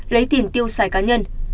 lấy tiền tiêu xài cá nhân